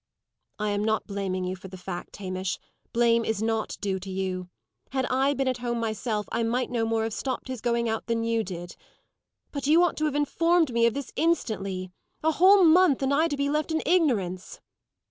"I am not blaming you for the fact, Hamish; blame is not due to you. Had I been at home myself, I might no more have stopped his going out than you did. But you ought to have informed me of this instantly. A whole month, and I to be left in ignorance!"